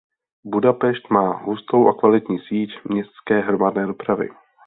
Budapešť má hustou a kvalitní síť městské hromadné dopravy.